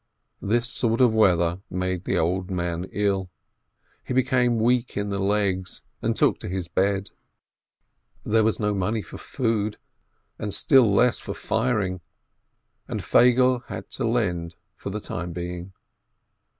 This sort of weather made the old man ill : he became weak in the legs, and took to his bed. There was no money for food, and still less for firing, and Feigele had to lend for the time being.